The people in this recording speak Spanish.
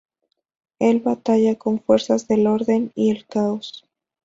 Él batalla con fuerzas del orden y el caos.